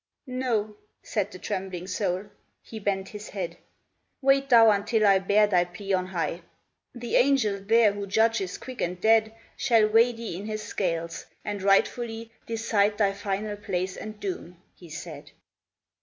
"" No," said the trembling soul. He bent his head. " Wait thou until I bear thy plea on high ; The angel there who judges quick and dead Shall weigh thee in his scales, and rightfully Decide thy final place and doom," he said.